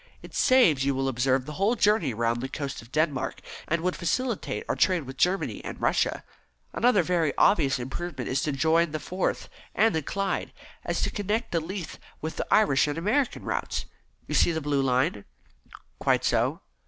It saves, you will observe, the whole journey round the coast of Denmark, and would facilitate our trade with Germany and Russia. Another very obvious improvement is to join the Forth and the Clyde, so as to connect Leith with the Irish and American routes. You see the blue line?" "Quite so."